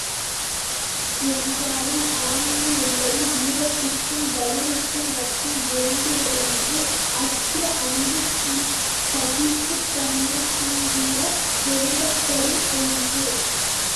என்றாலும், ஆண்மை என்பது வீரத்திற்கும் வலிமைக்கும் மட்டும் வேண்டுவதன்று அஃது அன்புக்குஞ் சகிப்புத் தன்மைக்குங்கூட வேண்டப்படும் ஒன்று.